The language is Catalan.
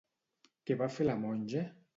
Què va fer la monja?